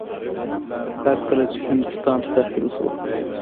هر کله چې هندوستان ته داخل شول.